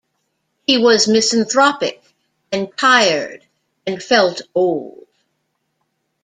He was misanthropic and tired and felt old.